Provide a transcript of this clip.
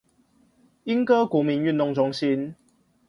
鶯歌國民運動中心